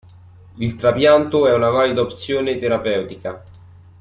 Il trapianto è una valida opzione terapeutica.